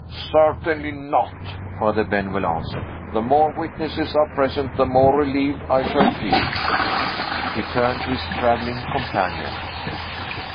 "Certainly not," Father Benwell answered. "The more witnesses are present, the more relieved I shall feel." He turned to his traveling companion.